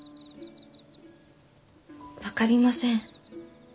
分かりません。